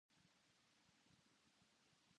今日は暑い。